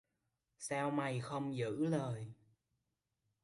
Sao mày không giữ lời